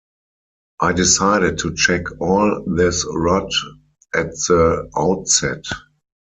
I decided to check all this rot at the outset.